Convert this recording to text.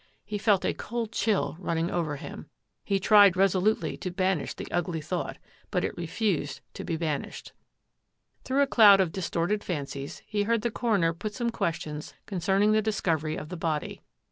He felt a cold chill running over him. He tried resolutely to banish the ugly thought, but it refused to be banished. Through a cloud of distorted fancies he heard the coroner put some questions concerning the discovery of the body.